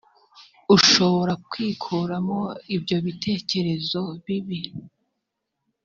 ushobora kwikuramo ibyo bitekerezo bibi